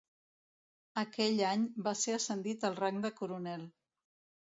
Aquell any, va ser ascendit al rang de coronel.